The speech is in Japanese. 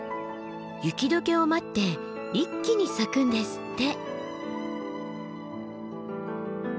雪解けを待って一気に咲くんですって。